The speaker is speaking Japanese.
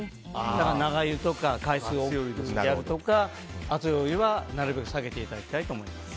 だから長湯とか回数を多くするとか熱いお湯はなるべく避けていただきたいと思います。